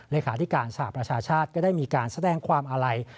เลขาธิการสหประชาชาติก็ได้มีการแสดงความอาลัย